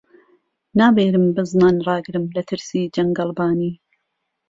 ناوێرم بزنان ڕاگرم له ترسی جهنگهڵبانی